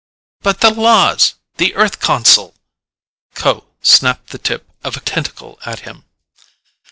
"But the laws! The earth consul " Kho snapped the tip of a tentacle at him.